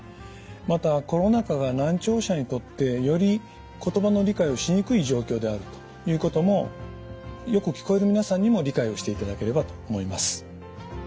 またコロナ禍が難聴者にとってより言葉の理解をしにくい状況であるということもよく聞こえる皆さんにも理解をしていただければと思います。